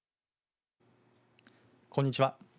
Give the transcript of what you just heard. こんにちは。